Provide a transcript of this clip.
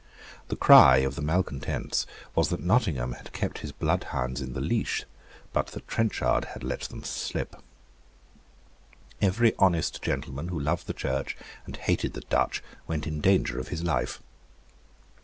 The cry of the malecontents was that Nottingham had kept his bloodhounds in the leash, but that Trenchard had let them slip. Every honest gentleman who loved the Church and hated the Dutch went in danger of his life.